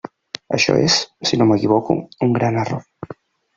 Això és, si no m'equivoco, un gran error.